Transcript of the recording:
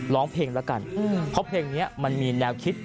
ร้องเพลงแล้วกันเพราะเพลงนี้มันมีแนวคิด